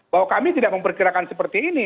bahwa kami tidak memperkirakan seperti ini